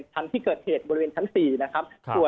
ตอนนี้ยังไม่ได้นะครับ